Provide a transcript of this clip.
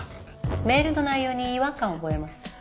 メールの内容に違和感を覚えます。